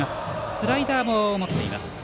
スライダーも持っています。